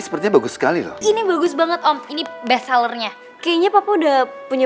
sepertinya bagus sekali loh ini bagus banget om ini bestsellernya kayaknya papa udah punya